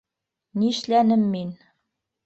- Нишләнем мин?!!